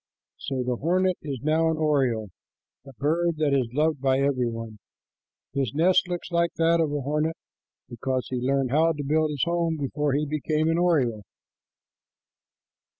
'" So the hornet is now an oriole, a bird that is loved by every one. His nest looks like that of a hornet because he learned how to build his home before he became an oriole.